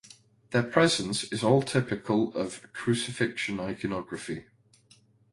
Their presence is all typical of Crucifixion iconography.